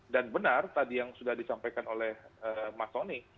dan benar tadi yang sudah disampaikan oleh mas tony